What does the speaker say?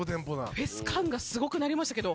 フェス感がすごくなりましたけど。